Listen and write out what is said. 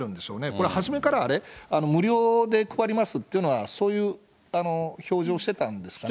これ初めからあれ、無料で配りますっていうのは、そういう表示をしてたんですかね。